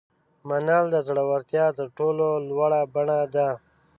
منل د زړورتیا تر ټولو لوړه بڼه ده.